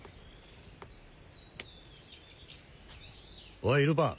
おいルパン